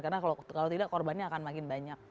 karena kalau tidak korbannya akan makin banyak